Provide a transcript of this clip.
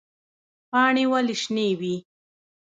پاڼې ولې شنې وي؟